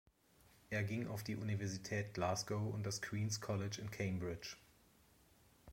Er ging auf die Universität Glasgow und das Queens’ College in Cambridge.